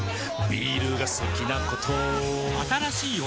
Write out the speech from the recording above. ビールが好きなことあぁーっ！